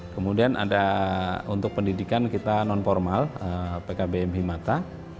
kemudian ada untuk pendidikan kita non formal pkbm himata